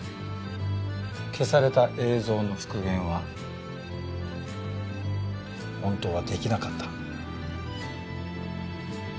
消された映像の復元は本当はできなかった。